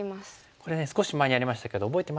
これね少し前にやりましたけど覚えてますかね。